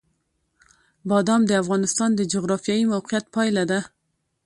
بادام د افغانستان د جغرافیایي موقیعت پایله ده.